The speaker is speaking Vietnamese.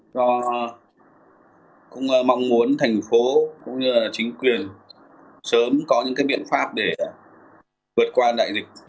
cũng mong muốn thành phố cũng như chính quyền sớm có những biện pháp để vượt qua đại dịch